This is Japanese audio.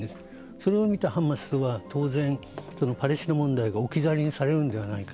それを見たハマスは当然、パレスチナ問題が置き去りにされるのではないか。